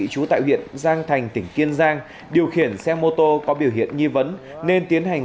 chú tại huyện giang thành tỉnh kiên giang điều khiển xe mô tô có biểu hiện nghi vấn nên tiến hành